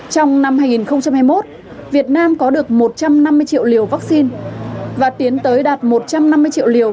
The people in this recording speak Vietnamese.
trong năm hai nghìn hai mươi một việt nam có được một trăm năm mươi triệu liều vaccine và tiến tới đạt một trăm năm mươi triệu liều